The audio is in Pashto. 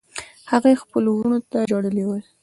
هغې خپلو وروڼو ته ژړلي ول.